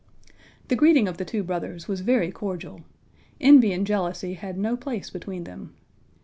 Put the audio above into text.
The greeting of the two brothers was very cordial. Envy and jealousy bad no place between them.